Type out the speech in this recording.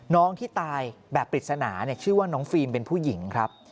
น้องที่ตายแบบปริศนาชื่อว่าน้องฟิล์มเป็นผู้หญิงครับ